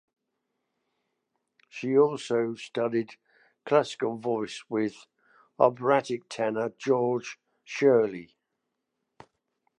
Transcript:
She also studied classical voice with operatic tenor George Shirley.